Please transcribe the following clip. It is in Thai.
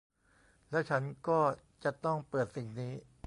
แล้วฉันก็จะต้องเปิดสิ่งนี้